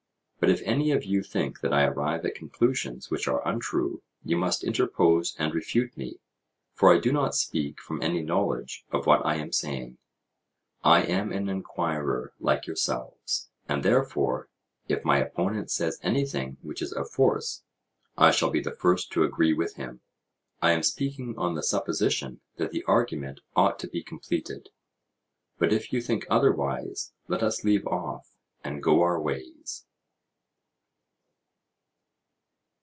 But if any of you think that I arrive at conclusions which are untrue you must interpose and refute me, for I do not speak from any knowledge of what I am saying; I am an enquirer like yourselves, and therefore, if my opponent says anything which is of force, I shall be the first to agree with him. I am speaking on the supposition that the argument ought to be completed; but if you think otherwise let us leave off and go our ways.